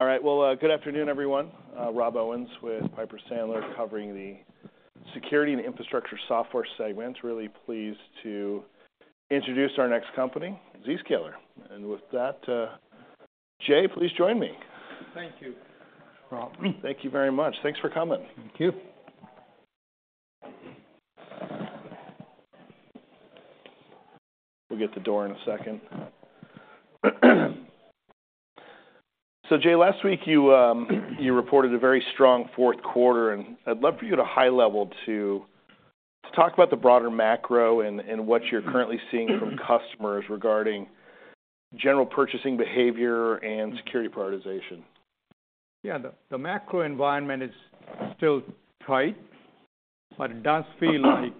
All right. Well, good afternoon, everyone. Rob Owens with Piper Sandler, covering the Security and Infrastructure Software segments. Really pleased to introduce our next company, Zscaler. With that, Jay, please join me. Thank you, Rob. Thank you very much. Thanks for coming. Thank you. We'll get the door in a second. So Jay, last week you reported a very strong fourth quarter, and I'd love for you at a high level to talk about the broader macro and what you're currently seeing from customers regarding general purchasing behavior and security prioritization. Yeah. The macro environment is still tight, but it does feel like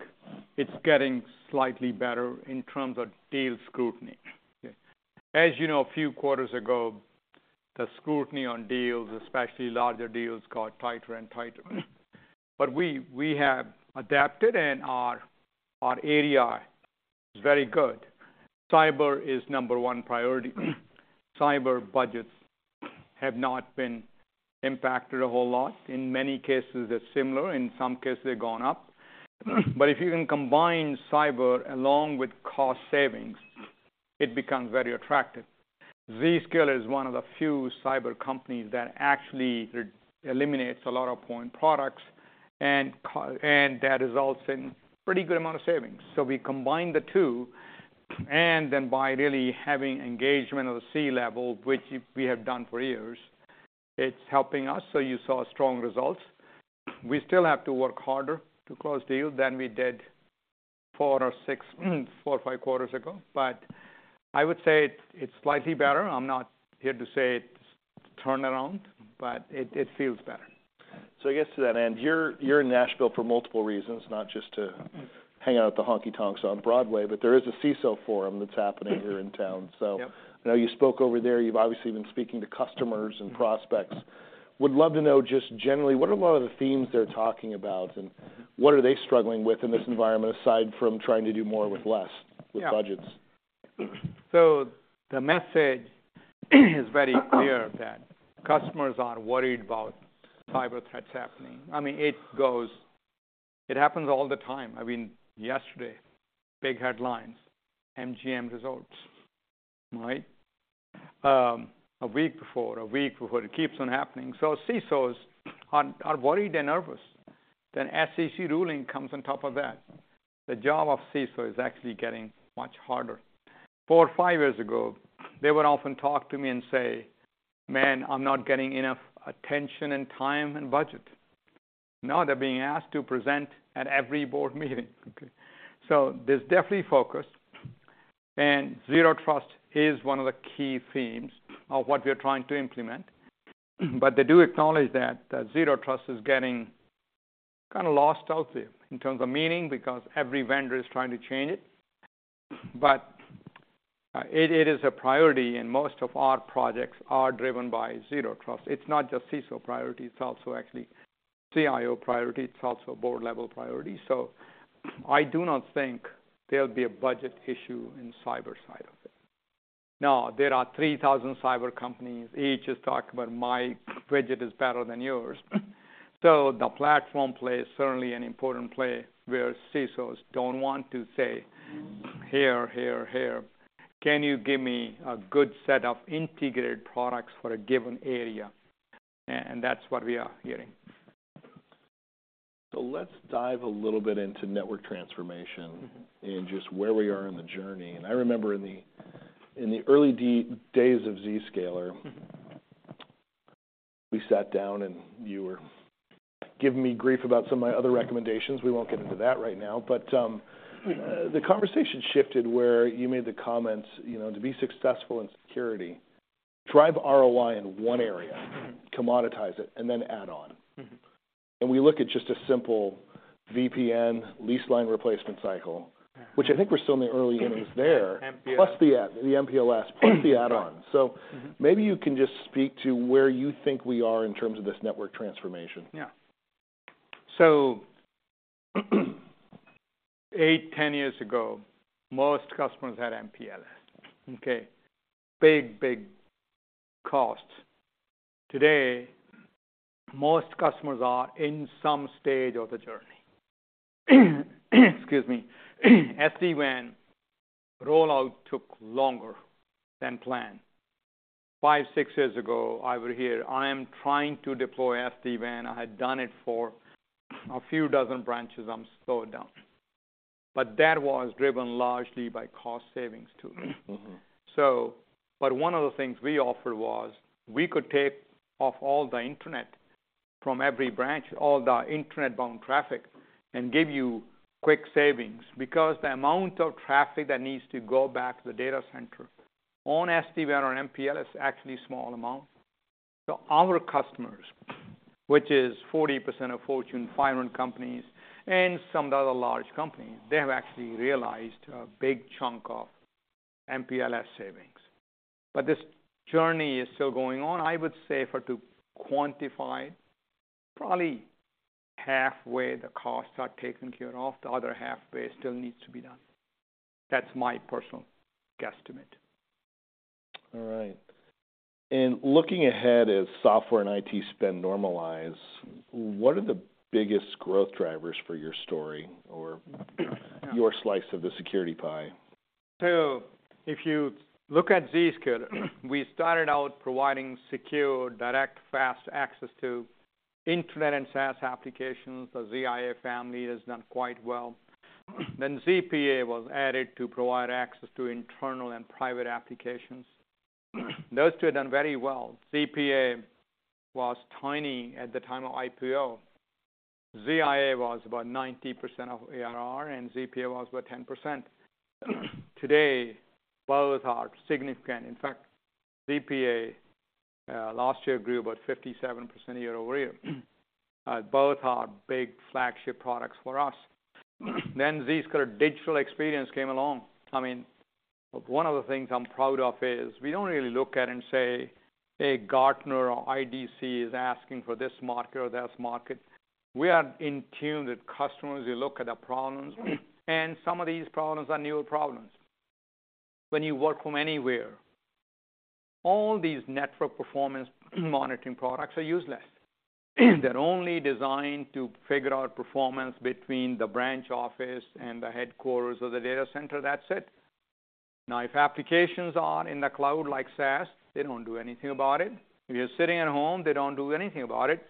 it's getting slightly better in terms of deal scrutiny. As you know, a few quarters ago, the scrutiny on deals, especially larger deals, got tighter and tighter. But we have adapted, and our ADR is very good. Cyber is number one priority. Cyber budgets have not been impacted a whole lot. In many cases, they're similar. In some cases, they've gone up. But if you can combine cyber along with cost savings, it becomes very attractive. Zscaler is one of the few cyber companies that actually eliminates a lot of point products, and that results in pretty good amount of savings. So we combine the two, and then by really having engagement of the C-level, which we have done for years, it's helping us. So you saw strong results. We still have to work harder to close deals than we did four or six, four or five quarters ago, but I would say it's slightly better. I'm not here to say it's turned around, but it feels better. I guess to that end, you're in Nashville for multiple reasons, not just to hang out at the honky-tonks on Broadway, but there is a CISO forum that's happening here in town, so. Yep. I know you spoke over there. You've obviously been speaking to customers and prospects. Would love to know, just generally, what are a lot of the themes they're talking about, and what are they struggling with in this environment, aside from trying to do more with less? Yeah. With budgets? The message is very clear that customers are worried about cyber threats happening. I mean, it goes, it happens all the time. I mean, yesterday, big headlines, MGM results, right? A week before, a week before, it keeps on happening. So CISOs are worried and nervous. Then SEC ruling comes on top of that. The job of CISO is actually getting much harder. Four or five years ago, they would often talk to me and say, "Man, I'm not getting enough attention and time and budget." Now they're being asked to present at every board meeting. So there's definitely focus, and zero trust is one of the key themes of what we're trying to implement. But they do acknowledge that the zero trust is getting kind of lost out there in terms of meaning, because every vendor is trying to change it. But it is a priority, and most of our projects are driven by zero trust. It's not just CISO priority, it's also actually CIO priority, it's also board-level priority. So I do not think there'll be a budget issue in cyber side of it. Now, there are 3,000 cyber companies. Each is talking about, "My budget is better than yours." So the platform plays certainly an important play, where CISOs don't want to say, "Here, here, here. Can you give me a good set of integrated products for a given area?" And that's what we are getting. Let's dive a little bit into network transformation. Mm-hmm. Just where we are in the journey. And I remember in the early days of Zscaler, we sat down, and you were giving me grief about some of my other recommendations. We won't get into that right now, but the conversation shifted, where you made the comment, "You know, to be successful in security, drive ROI in one area, commoditize it, and then add on. Mm-hmm. We look at just a simple VPN leased line replacement cycle, which I think we're still in the early innings there. MPLS. Plus the add, the MPLS, plus the add-on. Yeah. Mm-hmm. Maybe you can just speak to where you think we are in terms of this network transformation. Yeah. So eight to 10 years ago, most customers had MPLS. Okay? Big, big costs. Today, most customers are in some stage of the journey. Excuse me. SD-WAN rollout took longer than planned. Five to six years ago, I would hear: "I am trying to deploy SD-WAN. I had done it for a few dozen branches. I'm slowed down." But that was driven largely by cost savings, too. Mm-hmm. But one of the things we offered was we could take off all the internet from every branch, all the internet-bound traffic, and give you quick savings, because the amount of traffic that needs to go back to the data center on SD-WAN or MPLS is actually a small amount. So our customers, which is 40% of Fortune 500 companies and some of the other large companies, they have actually realized a big chunk of MPLS savings. But this journey is still going on. I would say, for to quantify, probably halfway the costs are taken care of. The other halfway still needs to be done. That's my personal guesstimate. All right. Looking ahead, as software and IT spend normalize, what are the biggest growth drivers for your story or your slice of the security pie? So if you look at Zscaler, we started out providing secure, direct, fast access to internet and SaaS applications. The ZIA family has done quite well. Then ZPA was added to provide access to internal and private applications. Those two have done very well. ZPA was tiny at the time of IPO. ZIA was about 90% of ARR, and ZPA was about 10%. Today, both are significant. In fact, ZPA last year grew about 57% year-over-year. Both are big flagship products for us. Then Zscaler Digital Experience came along. I mean, one of the things I'm proud of is we don't really look at it and say, "Hey, Gartner or IDC is asking for this market or that market." We are in tune with customers. We look at their problems, and some of these problems are new problems. When you work from anywhere, all these network performance monitoring products are useless. They're only designed to figure out performance between the branch office and the headquarters of the data center. That's it. Now, if applications are in the cloud, like SaaS, they don't do anything about it. If you're sitting at home, they don't do anything about it.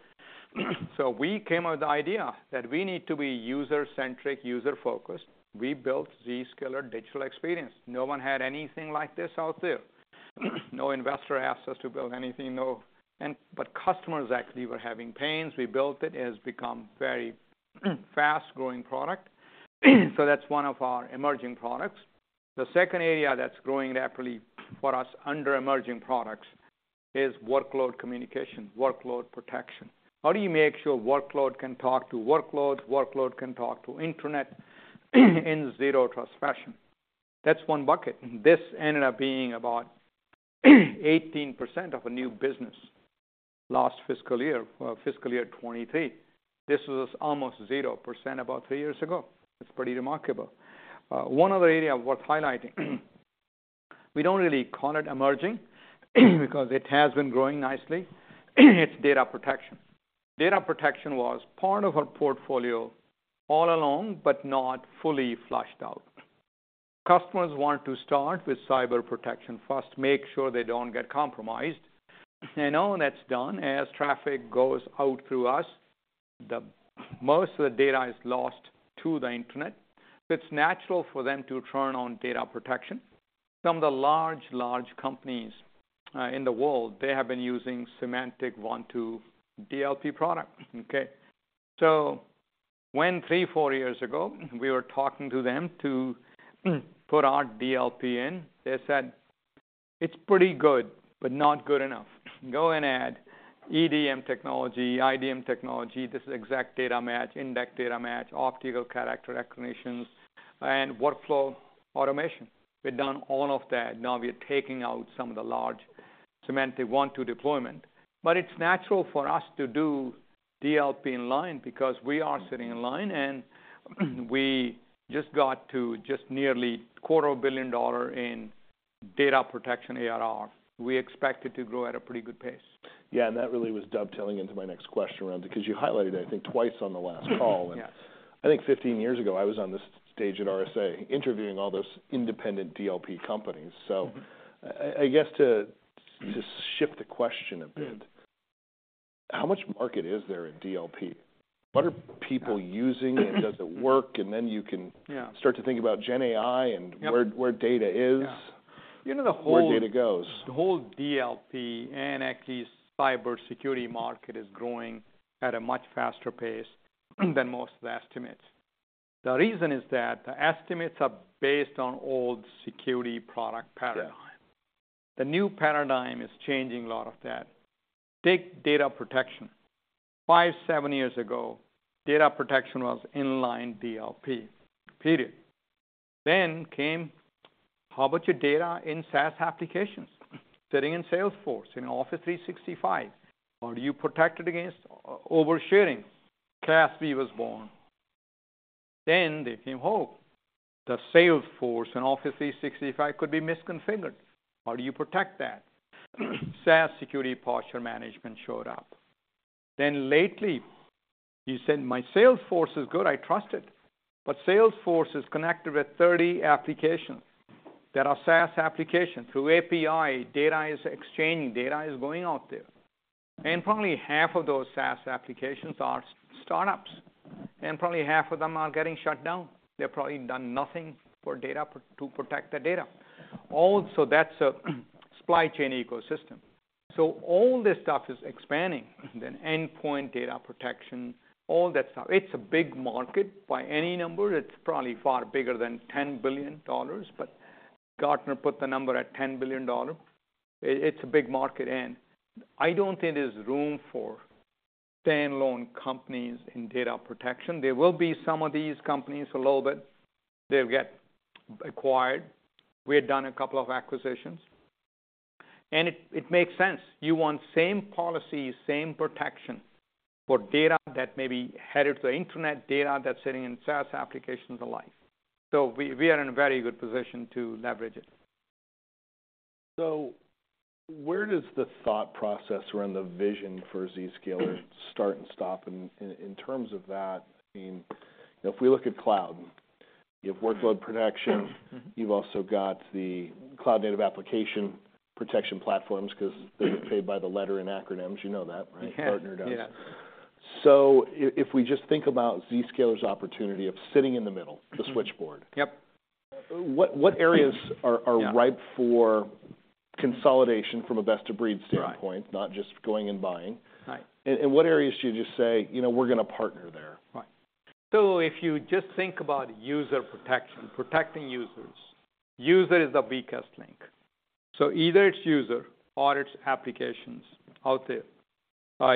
So we came up with the idea that we need to be user-centric, user-focused. We built Zscaler Digital Experience. No one had anything like this out there. No investor asked us to build anything, no. But customers actually were having pains. We built it. It has become a very fast-growing product, so that's one of our emerging products. The second area that's growing rapidly for us under emerging products is workload communication, workload protection. How do you make sure workload can talk to workload, workload can talk to internet in zero trust fashion? That's one bucket. This ended up being about 18% of a new business last fiscal year, fiscal year 2023. This was almost 0% about three years ago. It's pretty remarkable. One other area worth highlighting, we don't really call it emerging because it has been growing nicely, it's data protection. Data protection was part of our portfolio all along, but not fully flushed out. Customers want to start with cyber protection first, make sure they don't get compromised, and when that's done, as traffic goes out through us, the most of the data is lost to the internet. So it's natural for them to turn on data protection. Some of the large, large companies in the world, they have been using Symantec Vontu DLP product, okay? So when three, four years ago, we were talking to them to put our DLP in, they said, "It's pretty good, but not good enough. Go and add EDM technology, IDM technology." This is Exact Data Match, Indexed Data Match, optical character recognition, and workflow automation. We've done all of that. Now we are taking out some of the large Symantec Vontu deployment. But it's natural for us to do DLP in line because we are sitting in line, and we just got to just nearly $250 million in data protection ARR. We expect it to grow at a pretty good pace. Yeah, and that really was dovetailing into my next question around it, because you highlighted it, I think, twice on the last call. Yeah. I think 15 years ago, I was on this stage at RSA, interviewing all those independent DLP companies. Mm-hmm. So I guess to shift the question a bit, how much market is there in DLP? What are people using, and does it work? And then you can. Yeah. Start to think about GenAI and. Yep. Where data is. Yeah. You know, the whole. Where data goes. The whole DLP and actually, cybersecurity market is growing at a much faster pace than most of the estimates. The reason is that the estimates are based on old security product paradigm. Yeah. The new paradigm is changing a lot of that. Take data protection. Five, seven years ago, data protection was inline DLP, period. Then came: how about your data in SaaS applications, sitting in Salesforce, in Office 365? Are you protected against oversharing? CASB was born. Then they came home. The Salesforce and Office 365 could be misconfigured. How do you protect that? SaaS Security Posture Management showed up. Then lately, you said, "My Salesforce is good. I trust it." But Salesforce is connected with 30 applications that are SaaS applications. Through API, data is exchanged, data is going out there, and probably half of those SaaS applications are startups, and probably half of them are getting shut down. They've probably done nothing for data, to protect the data. Also, that's a supply chain ecosystem. So all this stuff is expanding, then endpoint data protection, all that stuff. It's a big market. By any number, it's probably far bigger than $10 billion, but Gartner put the number at $10 billion. It, it's a big market, and I don't think there's room for standalone companies in data protection. There will be some of these companies a little bit. They'll get acquired. We have done a couple of acquisitions. And it, it makes sense. You want same policy, same protection for data that may be headed to the internet, data that's sitting in SaaS applications, and the like. So we, we are in a very good position to leverage it. So where does the thought process around the vision for Zscaler start and stop? And in, in terms of that, I mean, if we look at cloud, you have workload protection, you've also got the cloud-native application protection platforms, 'cause they get paid by the letter in acronyms. You know that, right? Yeah. Gartner does. Yeah. So, if we just think about Zscaler's opportunity of sitting in the middle. Mm-hmm. The switchboard. Yep. What areas are. Yeah. Are ripe for consolidation from a best-of-breed standpoint. Right. Not just going and buying? Right. And what areas should you say, "You know, we're gonna partner there?" Right. So if you just think about user protection, protecting users, user is the weakest link. So either it's user or it's applications out there.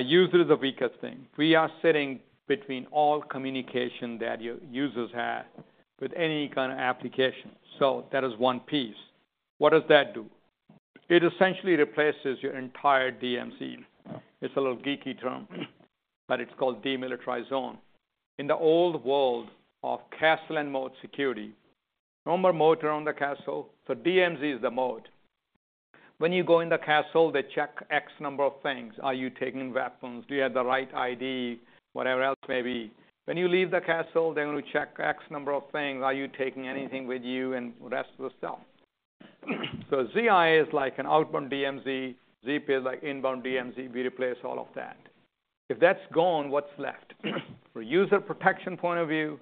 User is the weakest thing. We are sitting between all communication that your users have with any kind of application, so that is one piece. What does that do? It essentially replaces your entire DMZ. It's a little geeky term, but it's called Demilitarized Zone. In the old world of castle and moat security, no more moat around the castle, so DMZ is the moat. When you go in the castle, they check X number of things. Are you taking weapons? Do you have the right ID? Whatever else may be. When you leave the castle, they're gonna check X number of things. Are you taking anything with you? And rest of the stuff. So ZIA is like an outbound DMZ, ZPA is like inbound DMZ. We replace all of that. If that's gone, what's left? For user protection point of view,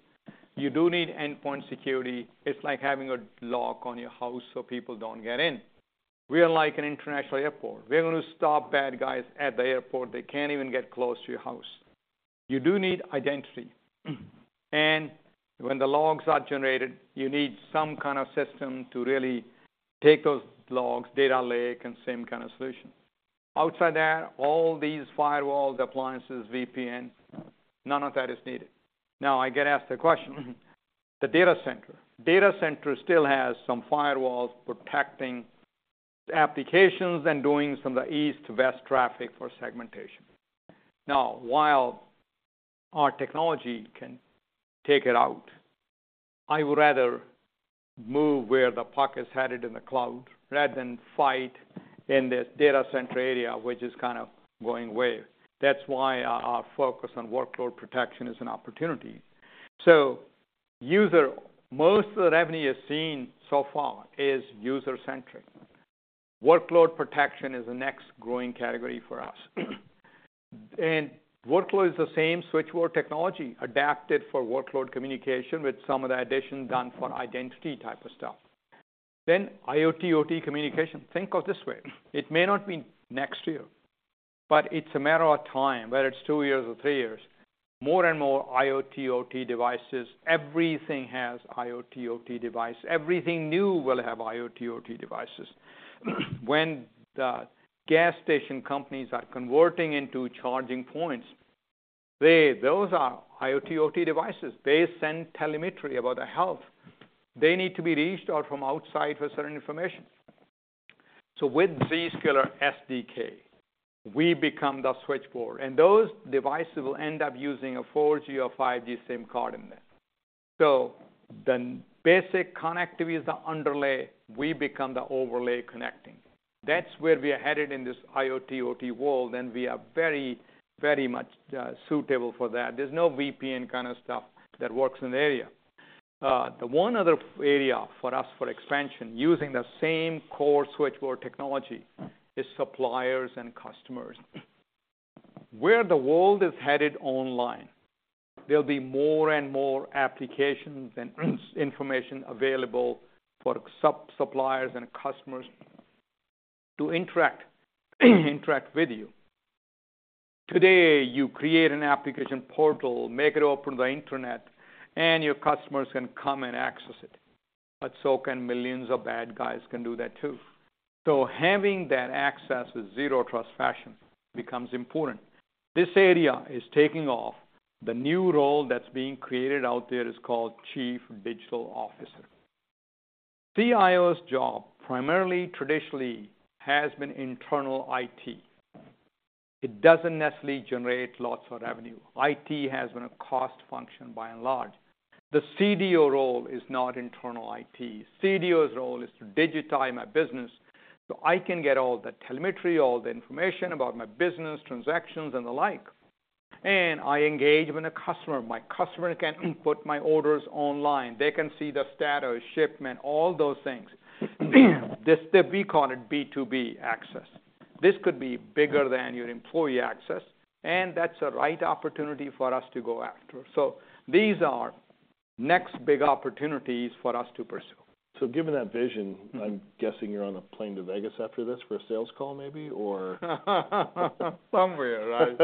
you do need endpoint security. It's like having a lock on your house so people don't get in. We are like an international airport. We're gonna stop bad guys at the airport. They can't even get close to your house. You do need identity. And when the logs are generated, you need some kind of system to really take those logs, data lake, and same kind of solution. Outside that, all these firewalls, appliances, VPN, none of that is needed. Now, I get asked the question, the data center. Data center still has some firewalls protecting applications and doing some of the east-west traffic for segmentation. Now, while our technology can take it out, I would rather move where the puck is headed in the cloud, rather than fight in this data center area, which is kind of going away. That's why our, our focus on workload protection is an opportunity. So user, most of the revenue you're seeing so far is user-centric. Workload protection is the next growing category for us. And workload is the same switchboard technology, adapted for workload communication, with some of the additions done for identity type of stuff. Then IoT, OT communication. Think of it this way, it may not be next year, but it's a matter of time, whether it's two years or three years. More and more IoT, OT devices, everything has IoT, OT device. Everything new will have IoT, OT devices. When the gas station companies are converting into charging points, they, those are IoT, OT devices. They send telemetry about the health. They need to be reached out from outside for certain information. So with Zscaler SDK, we become the switchboard, and those devices will end up using a 4G or 5G SIM card in there. So the basic connectivity is the underlay, we become the overlay connecting. That's where we are headed in this IoT, OT world, and we are very, very much suitable for that. There's no VPN kind of stuff that works in the area. The one other area for us for expansion, using the same core switchboard technology, is suppliers and customers. Where the world is headed online, there'll be more and more applications and information available for suppliers and customers to interact with you. Today, you create an application portal, make it open to the internet, and your customers can come and access it, but so can millions of bad guys do that, too. So having that access in a zero trust fashion becomes important. This area is taking off. The new role that's being created out there is called Chief Digital Officer. CIO's job, primarily, traditionally, has been internal IT. It doesn't necessarily generate lots of revenue. IT has been a cost function, by and large. The CDO role is not internal IT. CDO's role is to digitize my business, so I can get all the telemetry, all the information about my business, transactions, and the like, and I engage with a customer. My customer can put my orders online. They can see the status, shipment, all those things. This, we call it B2B access. This could be bigger than your employee access, and that's the right opportunity for us to go after. These are next big opportunities for us to pursue. Given that vision. Mm-hmm. I'm guessing you're on a plane to Vegas after this for a sales call, maybe, or? Somewhere, right?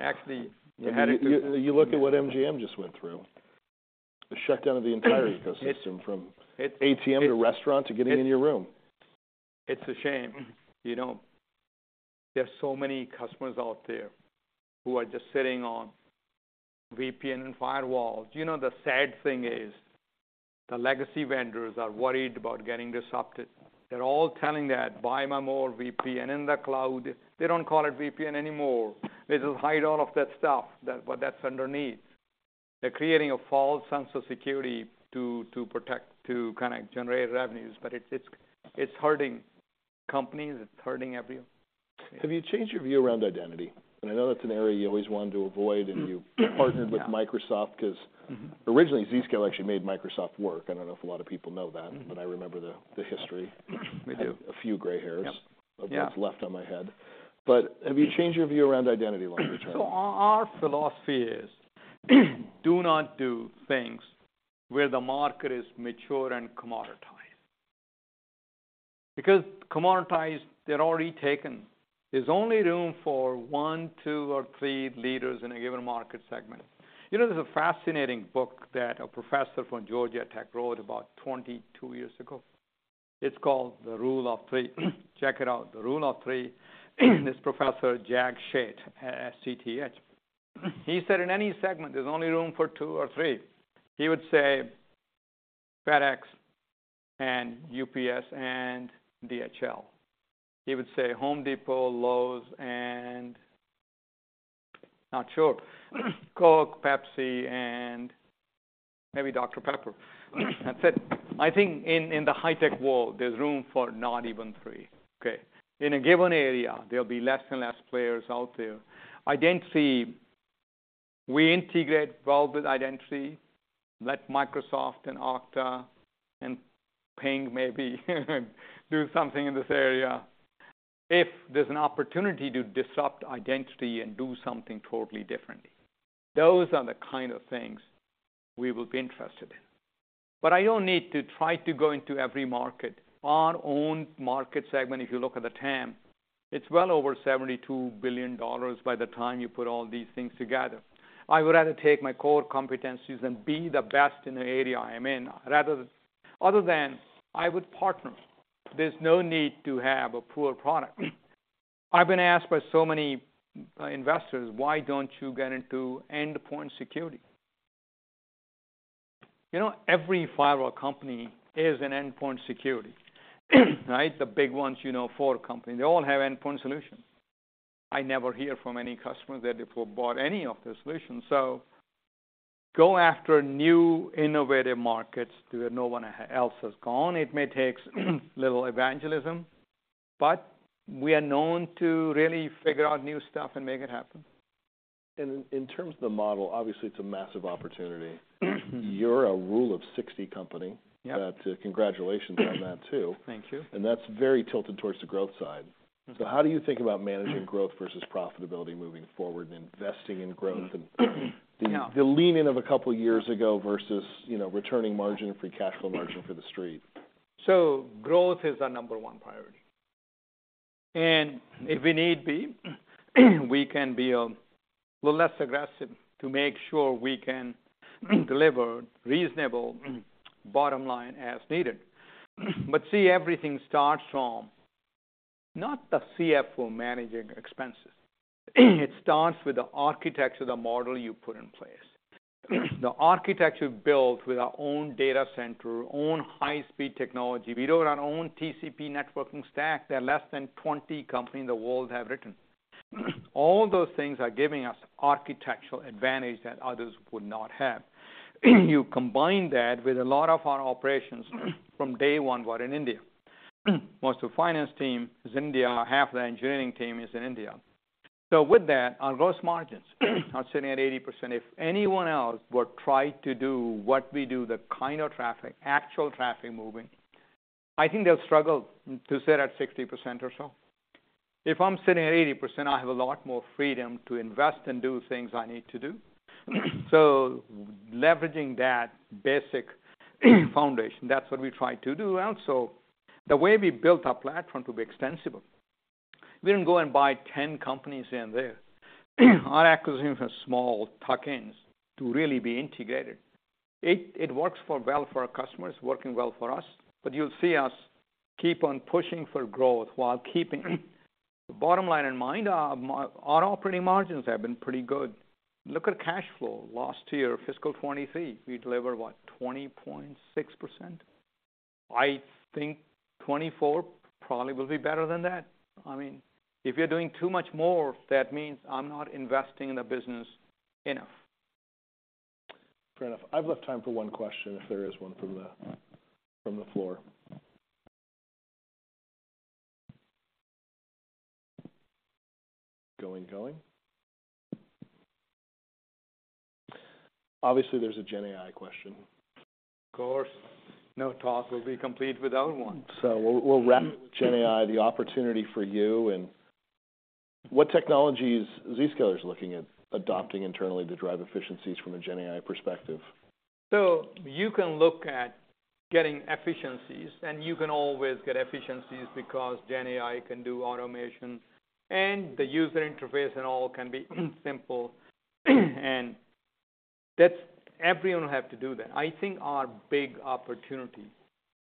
Actually, we had a. You look at what MGM just went through, the shutdown of the entire ecosystem. It. From ATM to restaurant to getting in your room. It's a shame. You know, there are so many customers out there who are just sitting on VPN and firewalls. You know, the sad thing is, the legacy vendors are worried about getting disrupted. They're all telling that, "Buy my more VPN in the cloud." They don't call it VPN anymore. They just hide all of that stuff that what that's underneath. They're creating a false sense of security to, to protect, to kind of generate revenues, but it's, it's, it's hurting companies. It's hurting everyone. Have you changed your view around identity? And I know that's an area you always wanted to avoid, and you. Yeah. Partnered with Microsoft because. Mm-hmm. Originally, Zscaler actually made Microsoft work. I don't know if a lot of people know that. Mm-hmm. But I remember the history. We do. I have a few gray hairs. Yep. Yeah. Of what's left on my head. But have you changed your view around identity long term? Our philosophy is, do not do things where the market is mature and commoditized. Because commoditized, they're already taken. There's only room for one, two, or three leaders in a given market segment. You know, there's a fascinating book that a professor from Georgia Tech wrote about 22 years ago. It's called The Rule of Three. Check it out. The Rule of Three, this professor, Jag Sheth, S-H-E-T-H. He said in any segment, there's only room for two or three. He would say, FedEx and UPS and DHL. He would say, Home Depot, Lowe's, and, not sure. Coke, Pepsi, and maybe Dr Pepper. That's it. I think in, in the high-tech world, there's room for not even three, okay? In a given area, there'll be less and less players out there. Identity, we integrate well with identity. Let Microsoft and Okta and Ping maybe do something in this area. If there's an opportunity to disrupt identity and do something totally differently, those are the kind of things we will be interested in. But I don't need to try to go into every market. Our own market segment, if you look at the TAM, it's well over $72 billion by the time you put all these things together. I would rather take my core competencies and be the best in the area I am in, rather than other than I would partner. There's no need to have a poor product. I've been asked by so many investors: Why don't you get into endpoint security? You know, every firewall company is an endpoint security, right? The big ones, you know, four companies, they all have endpoint solutions. I never hear from any customer that they bought any of the solutions. So go after new, innovative markets where no one else has gone. It may take little evangelism, but we are known to really figure out new stuff and make it happen. In terms of the model, obviously, it's a massive opportunity. Mm-hmm. You're a Rule of 60 company. Yep. That, congratulations on that, too. Thank you. That's very tilted toward the growth side. Mm-hmm. So how do you think about managing growth versus profitability moving forward, and investing in growth, and. Yeah. The leaning of a couple of years ago versus, you know, returning margin, free cash flow margin for the Street? So growth is our number one priority. And if we need be, we can be little less aggressive to make sure we can deliver reasonable bottom line as needed. But see, everything starts from not the CFO managing expenses. It starts with the architecture of the model you put in place. The architecture built with our own data center, own high-speed technology. We wrote our own TCP networking stack that less than 20 companies in the world have written. All those things are giving us architectural advantage that others would not have. You combine that with a lot of our operations, from day one, we're in India. Most of the finance team is India. Half the engineering team is in India. So with that, our gross margins are sitting at 80%. If anyone else would try to do what we do, the kind of traffic, actual traffic moving, I think they'll struggle to sit at 60% or so. If I'm sitting at 80%, I have a lot more freedom to invest and do things I need to do. So leveraging that basic foundation, that's what we try to do. Well, so the way we built our platform to be extensible, we didn't go and buy 10 companies in there. Our acquisition for small tuck-ins to really be integrated. It works well for our customers, working well for us, but you'll see us keep on pushing for growth while keeping the bottom line in mind. Our operating margins have been pretty good. Look at cash flow. Last year, fiscal 2023, we delivered, what? 20.6%. I think 2024 probably will be better than that. I mean, if you're doing too much more, that means I'm not investing in the business enough. Fair enough. I've left time for one question, if there is one from the floor. Going, going. Obviously, there's a GenAI question. Of course, no talk will be complete without one. We'll wrap GenAI, the opportunity for you, and what technologies Zscaler is looking at adopting internally to drive efficiencies from a GenAI perspective. So you can look at getting efficiencies, and you can always get efficiencies because GenAI can do automation, and the user interface and all can be simple. That's, everyone will have to do that. I think our big opportunity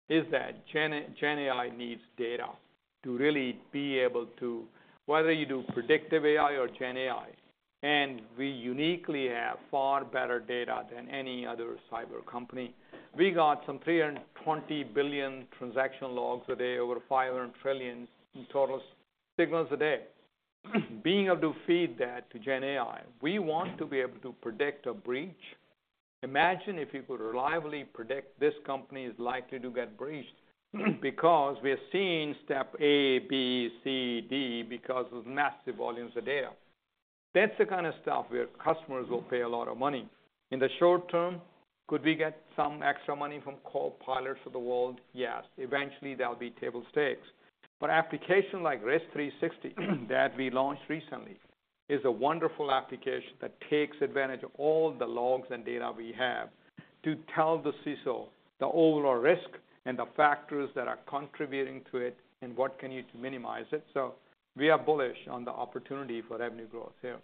is that GenAI needs data to really be able to, whether you do predictive AI or GenAI, and we uniquely have far better data than any other cyber company. We got some 320 billion transaction logs a day, over 500 trillion in total signals a day. Being able to feed that to GenAI, we want to be able to predict a breach. Imagine if you could reliably predict this company is likely to get breached, because we are seeing step A, B, C, D, because of massive volumes of data. That's the kind of stuff where customers will pay a lot of money. In the short term, could we get some extra money from Copilots of the world? Yes. Eventually, that'll be table stakes. But application like Risk360 that we launched recently, is a wonderful application that takes advantage of all the logs and data we have to tell the CISO the overall risk and the factors that are contributing to it, and what can you do to minimize it. So we are bullish on the opportunity for revenue growth here.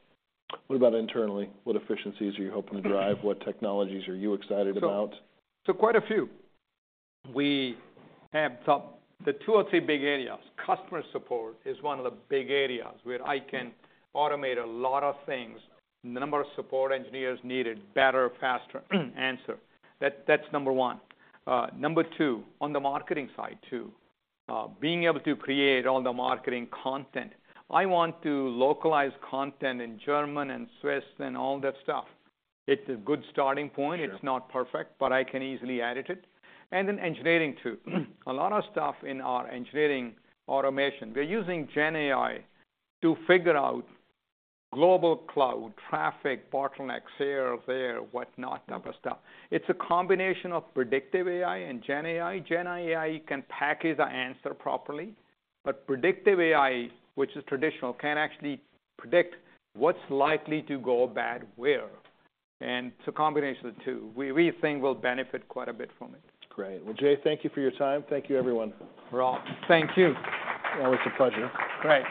What about internally? What efficiencies are you hoping to drive? What technologies are you excited about? So quite a few. We have the two or three big areas. Customer support is one of the big areas where I can automate a lot of things, the number of support engineers needed, better, faster answer. That's number one. Number two, on the marketing side, too, being able to create all the marketing content. I want to localize content in German and Swiss and all that stuff. It's a good starting point. Sure. It's not perfect, but I can easily edit it. And then engineering, too. A lot of stuff in our engineering automation. We're using GenAI to figure out global cloud traffic bottlenecks here or there, whatnot, type of stuff. It's a combination of predictive AI and GenAI. GenAI can package the answer properly, but predictive AI, which is traditional, can actually predict what's likely to go bad where, and it's a combination of the two. We think we'll benefit quite a bit from it. Great. Well, Jay, thank you for your time. Thank you, everyone. Rob, thank you. It was a pleasure. Great.